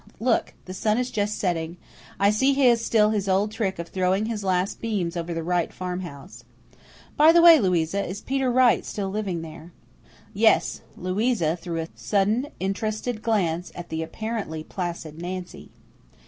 Look, the sun is just setting. I see he has still his old trick of throwing his last beams over the Wright farmhouse. By the way, Louisa, is Peter Wright still living there?" "Yes." Louisa threw a sudden interested glance at the apparently placid Nancy.